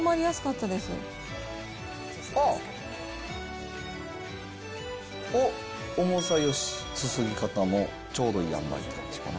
あー、おっ、重さよし、注ぎ方もちょうどいい塩梅って感じかな。